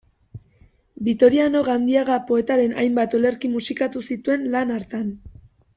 Bitoriano Gandiaga poetaren hainbat olerki musikatu zituen lan hartan.